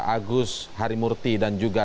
agus harimurti dan juga